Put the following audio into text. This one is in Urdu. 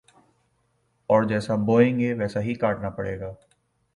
، اور جیسا بوئیں گے ویسا ہی کاٹنا پڑے گا